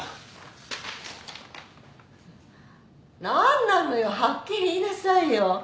何なのよはっきり言いなさいよ。